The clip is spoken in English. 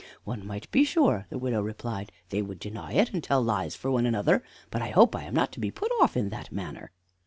"One might be sure," the widow replied, "they would deny it, and tell lies for one another; but I hope I am not to be put off in that manner."